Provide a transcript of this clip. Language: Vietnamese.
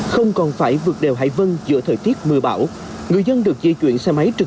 không còn phải vượt đều hải vân giữa thời tiết mưa bão